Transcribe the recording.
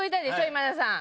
今田さん。